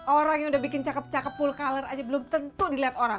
orang yang udah bikin cakep cakep pul color aja belum tentu dilihat orang